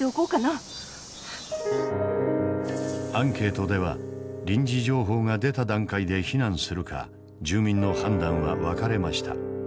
アンケートでは臨時情報が出た段階で避難するか住民の判断は分かれました。